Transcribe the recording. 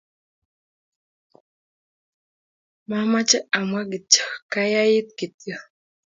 Mamache amwa kityo koyait kityo